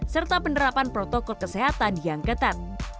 serta penerapan protokol kesehatan yang ketat